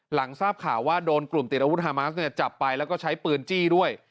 หลังทราบข่าวว่าโดนกลุ่มติดอาวุธฮามาสจับไปแล้วก็ใช้ปืนจี้ด้วย